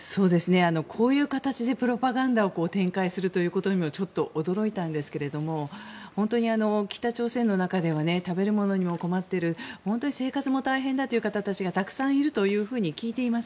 こういう形でプロパガンダを展開するということにちょっと驚いたんですけども北朝鮮の中では食べるものにも困っている本当に生活も大変だという方々がたくさんいるというふうに聞いています。